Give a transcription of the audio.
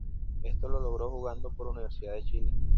Esto lo logró jugando por Universidad de Chile.